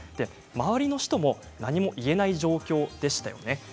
周りの人も何も言えない状況でしたよね。